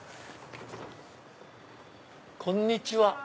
こんにちは。